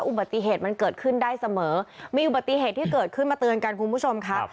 อุบัติเหตุมันเกิดขึ้นได้เสมอมีอุบัติเหตุที่เกิดขึ้นมาเตือนกันคุณผู้ชมค่ะ